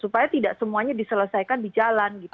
supaya tidak semuanya diselesaikan di jalan gitu